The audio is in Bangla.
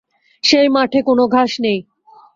সেই মাঠে কোনো ঘাস নেই।